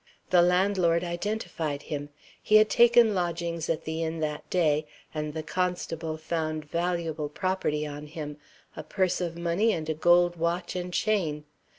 The landlord identified him; he had taken lodgings at the inn that day, and the constable found valuable property on him a purse of money and a gold watch and chain.